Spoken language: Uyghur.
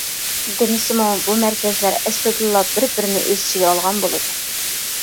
دېمىسىمۇ بۇ مەركەزلەر ئەسلىدىنلا بىر-بىرىنى ئۆز ئىچىگە ئالغان بولىدۇ.